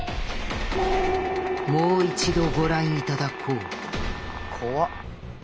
もう一度ご覧いただこう怖っ。